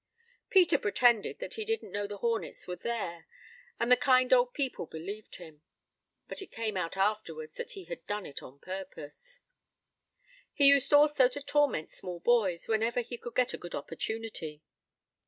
Peter pretended that he didn't know the hornets were there, and the kind old people believed him; but it came out afterwards that he had done it on purpose. He used also to torment small boys, whenever he could get a good opportunity.